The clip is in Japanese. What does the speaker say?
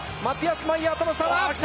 マティアス・マイヤーとの差は？